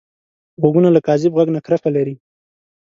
غوږونه له کاذب غږ نه کرکه لري